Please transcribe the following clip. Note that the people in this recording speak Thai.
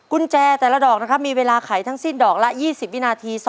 กุญแจแต่ละดอกนะครับมีเวลาไขทั้งสิ้นดอกละ๒๐วินาที